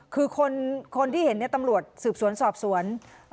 คือคนที่เห็นตำรวจสืบสวนสอบสวน